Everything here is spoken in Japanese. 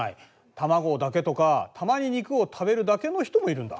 卵だけとかたまに肉を食べるだけの人もいるんだ。